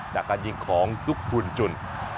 จากการยิงของซุกบุญจุน